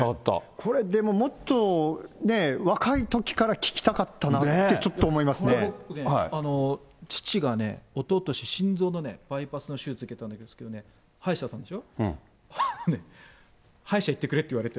これでも、もっと若いときから聞きたかったなってちょっと思父がね、おととし、心臓のバイパスの手術を受けたんですけれども、歯医者さんですよね、歯医者行ってくれって言われて。